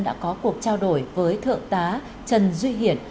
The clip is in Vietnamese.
đã có cuộc trao đổi với thượng tá trần duy hiển